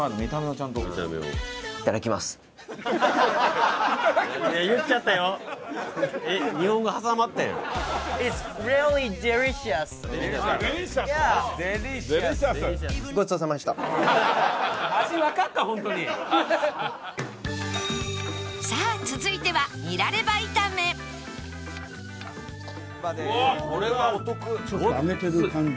ちょっと揚げてる感じ。